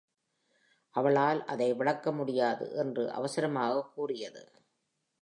'அவளால் அதை விளக்க முடியாது,' என்று அவசரமாக கூறியது.